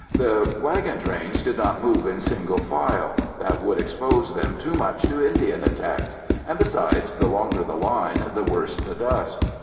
The wagon trains did not move in single file. That would expose them too much to Indian attacks, and besides, the longer the line, the worse the dust.